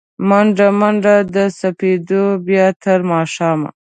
مڼډه، منډه د سپېدو، بیا تر ماښامه